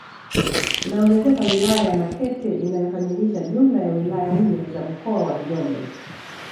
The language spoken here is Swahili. Inaongezeka wilaya ya Makete inayokamilisha jumla ya wilaya nne za mkoa wa Njombe